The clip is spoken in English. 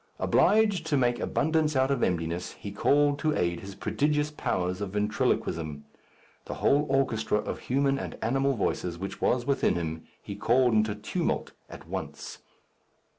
Obliged to make abundance out of emptiness, he called to aid his prodigious powers of ventriloquism. The whole orchestra of human and animal voices which was within him he called into tumult at once.